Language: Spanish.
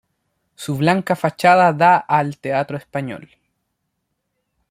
Su blanca fachada da al Teatro Español.